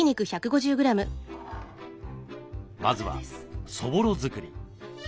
まずはそぼろ作り。